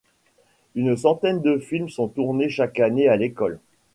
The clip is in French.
Une centaine de films sont tournés chaque année à l'école.